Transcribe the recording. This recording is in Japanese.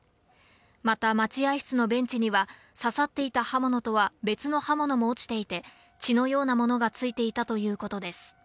また待合室のベンチには刺さっていた刃物とは別の刃物も落ちていて血のようなものがついていたということです。